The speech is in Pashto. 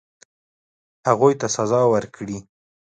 هغوی ته سزا ورکړي.